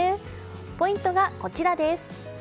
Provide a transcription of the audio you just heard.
ポイントがこちら。